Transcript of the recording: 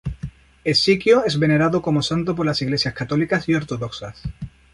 Hesiquio es venerado como santo por las iglesias católicas y ortodoxas.